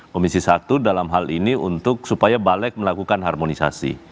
komisi satu dalam hal ini untuk supaya balik melakukan harmonisasi